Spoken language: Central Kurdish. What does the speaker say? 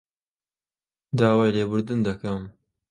داوای لێبوردن دەکەم